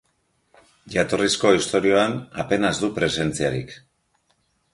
Jatorrizko istorioan apenas du presentziarik.